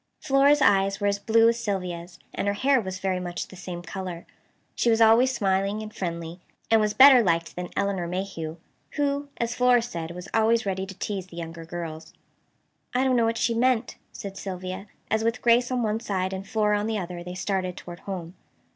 Flora's eyes were as blue as Sylvia's, and her hair was very much the same color. She was always smiling and friendly, and was better liked than Elinor Mayhew, who, as Flora said, was always ready to tease the younger girls. "I don't know what she meant," said Sylvia as, with Grace on one side and Flora on the other, they started toward home.